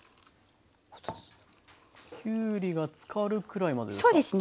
きゅうりが漬かるくらいまでですか？